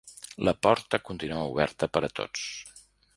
La porta continua oberta per a tots.